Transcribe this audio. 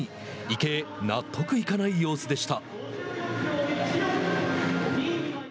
池江、納得いかない様子でした。